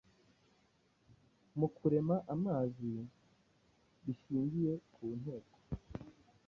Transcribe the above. Mu kurema amazina bishingiye ku nteko,